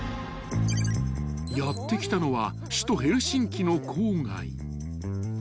［やって来たのは首都ヘルシンキの郊外］